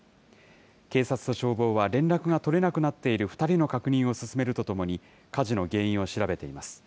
警察と消防は、連絡が取れなくなっている２人の確認を進めるとともに、火事の原因を調べています。